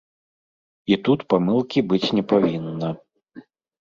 І тут памылкі быць не павінна.